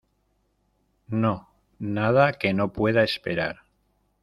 no, nada que no pueda esperar.